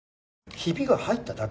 ヒビが入っただけ？